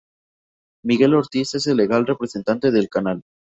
Miguel Ortiz es el legal representante del canal.